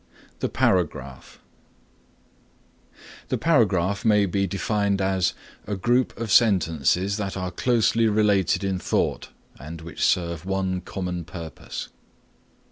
THE PARAGRAPH The paragraph may be defined as a group of sentences that are closely related in thought and which serve one common purpose.